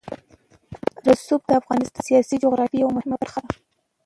رسوب د افغانستان د سیاسي جغرافیه یوه مهمه برخه ده.